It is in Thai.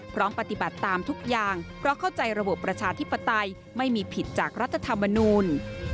พร้อมปฏิบัติตามทุกอย่างเพราะเข้าใจระบบประชาธิปไตยไม่มีผิดจากรัฐธรรมนูล